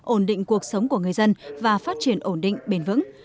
ổn định cuộc sống của người dân và phát triển ổn định bền vững